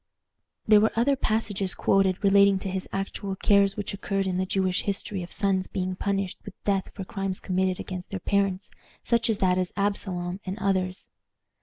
There were other passages quoted relating to actual cases which occurred in the Jewish history of sons being punished with death for crimes committed against their parents, such as that of Absalom, and others.